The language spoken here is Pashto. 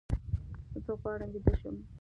زه غواړم ویده شم